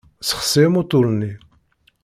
Ssexsi amutur-nni.